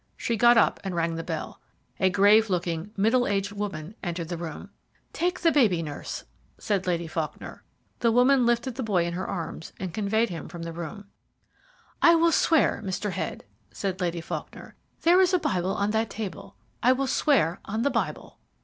She got up and rang the bell. A grave looking, middle aged woman entered the room. "Take baby, nurse," said Lady Faulkner. The woman lifted the boy in her arms and conveyed him from the room "I will swear, Mr. Head," said Lady Faulkner. "There is a Bible on that table I will swear on the Bible."